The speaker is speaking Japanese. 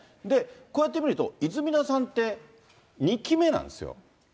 こうやって見ると、泉田さんって、２期目なんですよ。